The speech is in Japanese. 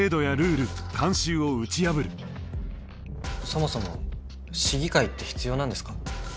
そもそも市議会って必要なんですか？